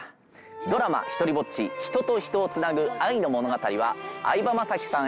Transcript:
ドラマ「ひとりぼっち−人と人をつなぐ愛の物語−」は相葉雅紀さん